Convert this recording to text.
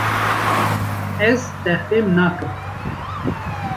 Ez, te fêm nakim.